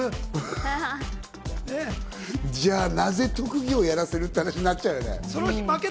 じゃあ、なぜ特技をやらせる？ってなっちゃうね。